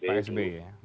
pak sb ya